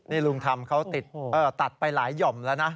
นี่ลุงธรรมเขาติดตัดไปหลายหย่อมแล้วนะ